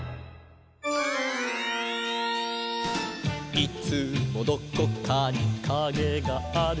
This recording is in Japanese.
「いつもどこかにカゲがある」